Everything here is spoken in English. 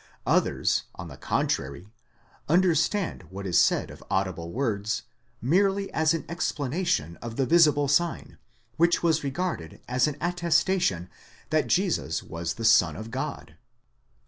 Others, on the contrary, understand what is said of audible words, merely as an explanation of the visible sign, which was regarded as an attestation that Jesus was the Son of God.